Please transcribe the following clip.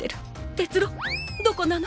鉄郎どこなの？